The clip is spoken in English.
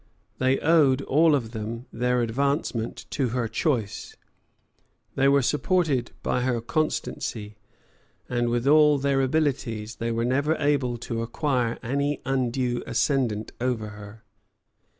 They owed all of them their advancement to her choice; they were supported by her constancy; and, with all their abilities, they were never able to acquire any undue ascendant over her.